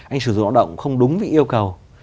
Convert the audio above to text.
anh sử dụng lao động không đúng với yêu cầu